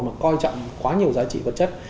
mà coi trọng quá nhiều giá trị vật chất